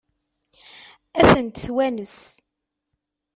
Ad tent-twanes?